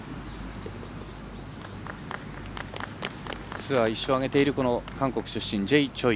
ツアー１勝挙げている韓国出身Ｊ．チョイ。